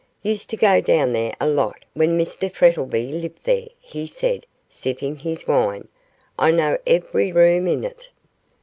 'Used to go down there a lot when Mr Frettlby lived there,' he said, sipping his wine. 'I know every room in it.